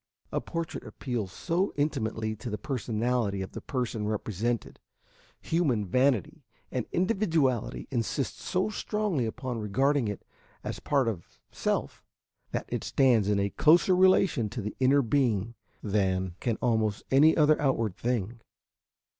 A portrait appeals so intimately to the personality of the person represented, human vanity and individuality insist so strongly upon regarding it as a part of self, that it stands in a closer relation to the inner being than can almost any other outward thing.